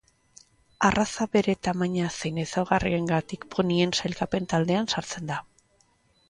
Arraza bere tamaina zein ezaugarriengatik ponien sailkapen taldean sartzen da.